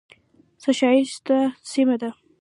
څه ښایسته سیمه ده .